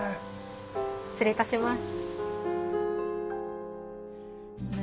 失礼いたします。